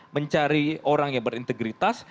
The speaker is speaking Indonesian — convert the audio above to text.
mencari orang yang berintegritas